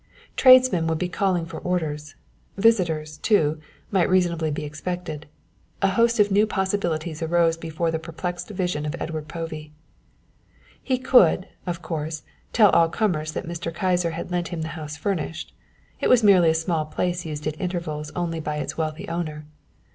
Tradesmen would be calling for orders visitors, too, might reasonably be expected. A host of new possibilities arose before the perplexed vision of Edward Povey. He could, of course, tell all comers that Mr. Kyser had lent him the house furnished. It was merely a small place used at intervals only by its wealthy owner.